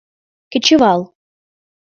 Кечывал.